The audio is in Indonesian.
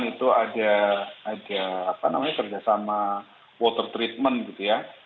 ketika di korea selatan itu ada kerjasama water treatment